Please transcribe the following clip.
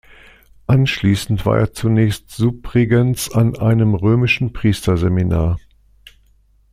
Anschließend war er zunächst Subregens an einem römischen Priesterseminar.